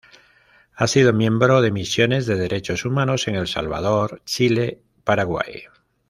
Ha sido miembro de misiones de Derechos humanos en El Salvador, Chile, Paraguay.